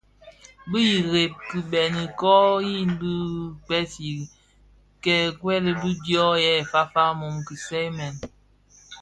Bi ireb kibeňi kō yin di nsèň khibuen dyō yè fafa a mum kisee mèn.